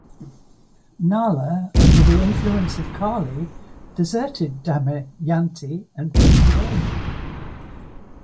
Nala, under the influence of Kali, deserted Damayanti and went away.